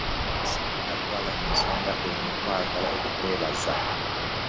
Minisita atwala ensonga eno twagala okukwebaza.